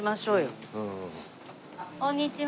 こんにちは。